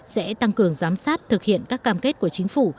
sẽ tăng cường giám sát thực hiện các cam kết của chính phủ